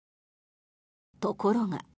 ところが。